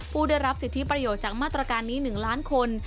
ผู้ได้รับสิทธิประโยชน์จากมาตรการนี้๑ล้านคน